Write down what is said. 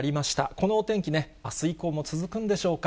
このお天気ね、あす以降も続くんでしょうか。